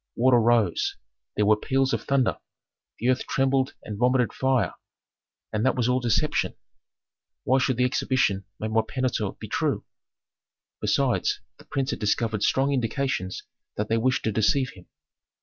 Water rose; there were peals of thunder; the earth trembled and vomited fire. And that was all deception. Why should the exhibition made by Pentuer be true? Besides, the prince had discovered strong indications that they wished to deceive him.